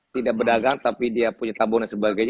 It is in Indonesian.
tidak pedagang tapi dia punya tabungan sebagainya